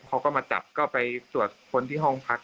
เขาก็มาจับก็ไปตรวจคนที่ห้องพัก